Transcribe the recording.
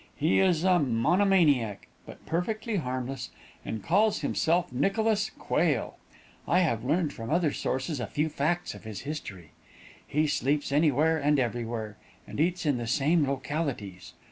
He is a monomaniac, but perfectly harmless, and calls himself Nicholas Quail. I have learned from other sources a few facts of his history. He sleeps anywhere and everywhere, and eats in the same localities.